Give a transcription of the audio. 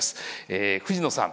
藤野さん